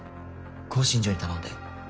興信所に頼んで。